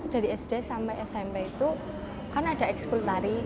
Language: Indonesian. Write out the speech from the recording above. dari sd sampai smp itu kan ada ekskul tari